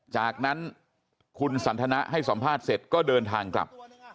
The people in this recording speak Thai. จากนั้นคุณสันทนะให้สัมภาษณ์เสร็จก็เดินทางกลับ